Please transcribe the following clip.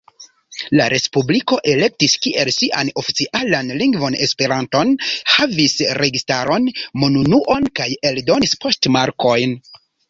La ”respubliko” elektis kiel sian oficialan lingvon Esperanton, havis registaron, monunuon kaj eldonis poŝtmarkojn.